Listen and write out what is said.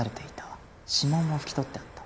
指紋も拭き取ってあった。